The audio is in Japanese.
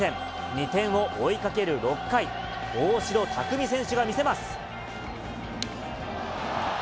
２点を追いかける６回、大城卓三選手が見せます。